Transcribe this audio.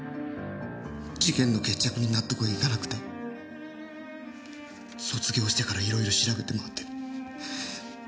事件の決着に納得がいかなくて卒業してからいろいろ調べて回って。